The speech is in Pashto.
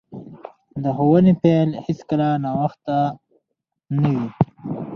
د ښوونې پیل هیڅکله ناوخته نه وي.